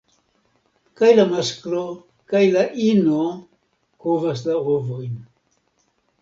Kaj la masklo kaj la ino kovas la ovojn.